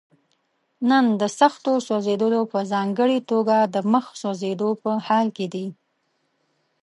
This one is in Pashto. نن د سختو سوځېدلو په ځانګړي توګه د مخ سوځېدو په حال کې دي.